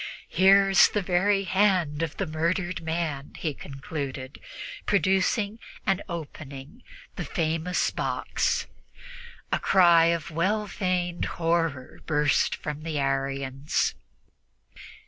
"Here is the very hand of the murdered man," he concluded, producing and opening the famous box. A cry of well feigned horror burst from the Arians.